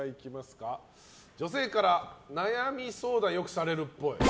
女性から悩み相談よくされるっぽい。